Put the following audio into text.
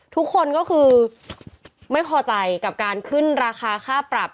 ทุกคนก็คือไม่พอใจกับการขึ้นราคาค่าปรับ